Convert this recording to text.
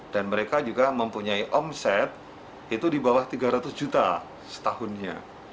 dan mereka juga mempunyai omset itu di bawah tiga ratus juta setahunnya